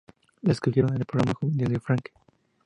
Le escogieron en el programa juvenil de Franken.